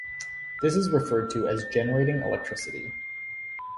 This is referred to as generating electricity.